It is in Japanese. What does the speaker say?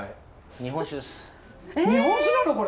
日本酒なのこれ！？